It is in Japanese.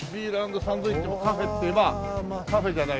サンドイッチもカフェっていえばカフェじゃないですか？